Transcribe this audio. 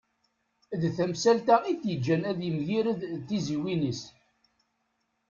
D tamsalt-a i t-yeǧǧan ad yemgired d tiziwin-is.